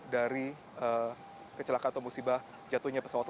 dari kecelakaan atau musibah jatuhnya pesawat